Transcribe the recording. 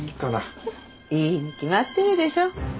フフいいに決まってるでしょ。